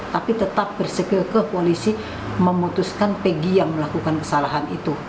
tapi tetap bersekil ke polisi memutuskan peggy yang melakukan kesalahan itu